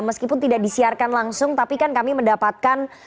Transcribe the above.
meskipun tidak disiarkan langsung tapi kan kami mendapatkan